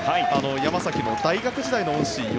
山崎の大学時代の恩師